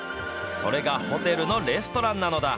それがホテルのレストランなのだ。